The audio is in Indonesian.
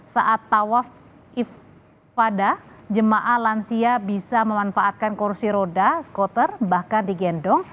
saat tawaf ifadah jemaah lansia bisa memanfaatkan kursi roda skuter bahkan digendong